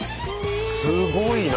すごいな。